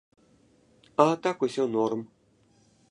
А так усё норм.